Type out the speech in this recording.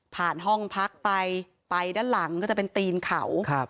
ห้องพักไปไปด้านหลังก็จะเป็นตีนเขา